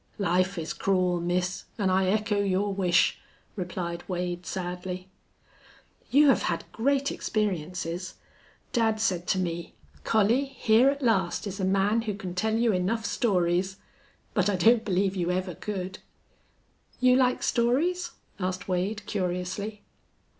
"Life is cruel, miss, an' I echo your wish," replied Wade, sadly. "You have had great experiences. Dad said to me, 'Collie, here at last is a man who can tell you enough stories!'... But I don't believe you ever could." "You like stories?" asked Wade, curiously.